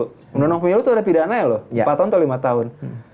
undang undang pemilu itu ada pidana ya loh empat tahun atau lima tahun